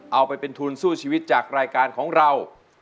เอาไปเป็นทุนสู้ชีวิตจากรายการของเรา